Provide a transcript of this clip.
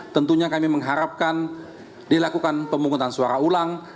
tentunya kami mengharapkan dilakukan pemungutan suara ulang